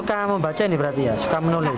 rara rara suka membaca ini berarti ya suka menulis